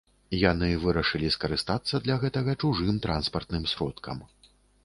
Яны вырашылі скарыстацца для гэтага чужым транспартным сродкам.